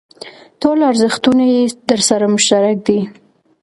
ټول ارزښتونه یې درسره مشترک دي.